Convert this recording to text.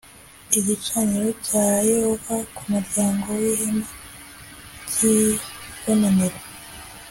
igicaniro cya yehova ku muryango w ihema ry ibonaniro